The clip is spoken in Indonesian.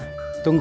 uangnya di rumah